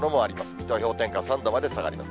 水戸、氷点下３度まで下がります。